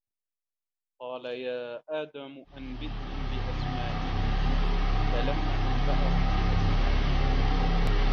قَالَ يَا آدَمُ أَنْبِئْهُمْ بِأَسْمَائِهِمْ ۖ فَلَمَّا أَنْبَأَهُمْ بِأَسْمَائِهِمْ